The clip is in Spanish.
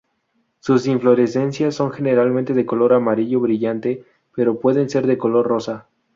Sus inflorescencias son generalmente de color amarillo brillante, pero pueden ser de color rosa.